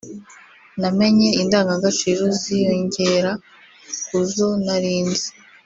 namenye indangagaciro ziyongera kuzo narinzi